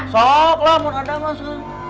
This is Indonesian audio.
sok lah mau ada masa